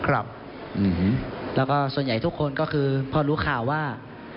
แล้วก็ส่วนใหญ่ทุกคนก็คือพอรู้ข่าวว่า